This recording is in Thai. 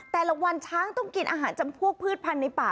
แต่ละวันช้างต้องกินอาหารจำพวกพืชพันธุ์ในป่า